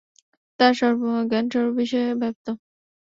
তার জ্ঞান সর্ববিষয়ে ব্যপ্ত।